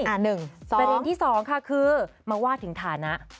ประเด็นที่๒ค่ะคือมาวาดถึงฐานะ